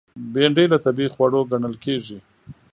بېنډۍ له طبیعي خوړو ګڼل کېږي